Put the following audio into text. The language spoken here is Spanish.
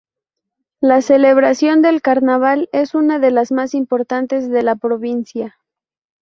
La celebración del carnaval es una de las más importantes de la Provincia.